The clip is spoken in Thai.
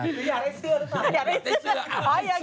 เกียรติดิแล้ว